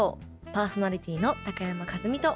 パーソナリティーの高山一実と。